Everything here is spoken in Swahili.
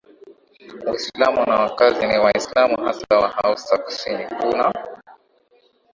Uislamu na wakazi ni Waislamu hasa Wahausa Kusini kuna